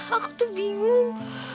aku tuh bingung